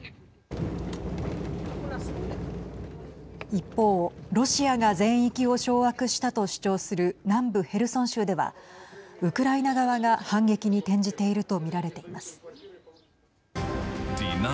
一方、ロシアが全域を掌握したと主張する南部ヘルソン州ではウクライナ側が反撃に転じているとみられています。